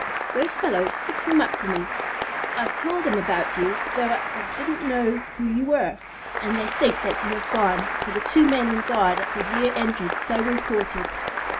Those fellows fix 'em up for me. I've told 'em about you, though I didn't know who you were, and they think you have gone, for the two men on guard at the rear entrance so reported.